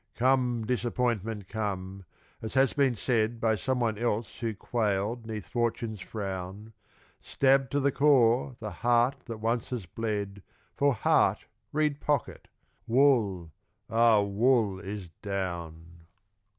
"Come, disappointment, come!" as has been said By someone else who quailed 'neath Fortune's frown, Stab to the core the heart that once has bled, (For "heart" read "pocket") wool, ah! wool is down.